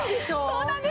そうなんです！